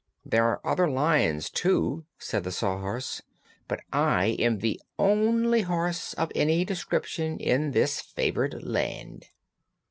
"There are other Lions, too," said the Sawhorse; "but I am the only horse, of any description, in this favored Land."